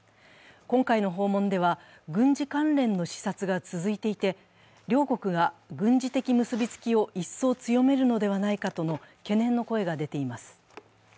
今回の訪問では、軍事関連の視察が続いていて、両国が軍事的結びつきを一層強めるのではないかとの懸念の声が出ています。